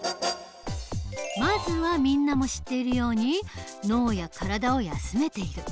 まずはみんなも知っているように脳や体を休めている。